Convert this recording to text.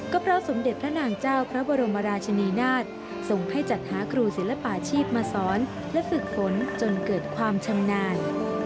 ก็พระสมเด็จพระนางเจ้าพระบรมราชนีนาฏส่งให้จัดหาครูศิลปาชีพมาสอนและฝึกฝนจนเกิดความชำนาญ